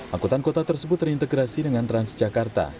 angkutan kota tersebut terintegrasi dengan transjakarta